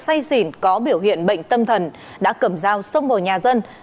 say xỉn có biểu hiện bệnh tâm thần đã cầm dao xông vào nhà dân